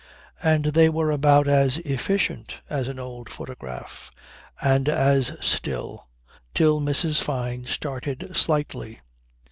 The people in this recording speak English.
And they were about as efficient as an old photograph, and as still, till Mrs. Fyne started slightly.